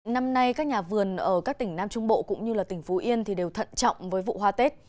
năm nay các nhà vườn ở các tỉnh nam trung bộ cũng như tỉnh phú yên đều thận trọng với vụ hoa tết